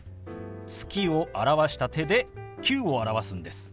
「月」を表した手で「９」を表すんです。